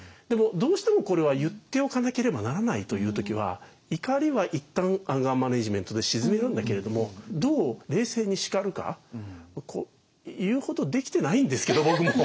でもどうしてもこれは言っておかなければならないという時は怒りは一旦アンガーマネジメントで静めるんだけれどもどう冷静に叱るかこう言うほどできてないんですけど僕も。